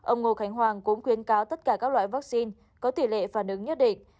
ông ngô khánh hoàng cũng khuyến cáo tất cả các loại vaccine có tỷ lệ phản ứng nhất định